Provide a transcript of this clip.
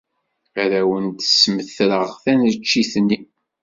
Ad awent-d-smetreɣ taneččit-nni.